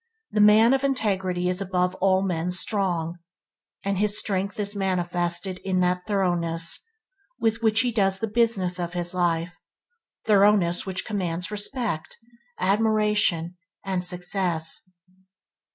The man of integrity is above all men strong, and his strength is manifested in that thoroughness with which he does the business of his life; thoroughness which commands respect, admiration, and success.